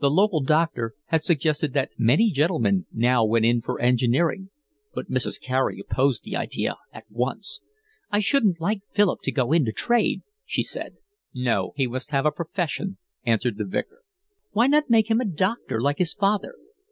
The local doctor had suggested that many gentlemen now went in for engineering, but Mrs. Carey opposed the idea at once. "I shouldn't like Philip to go into trade," she said. "No, he must have a profession," answered the Vicar. "Why not make him a doctor like his father?"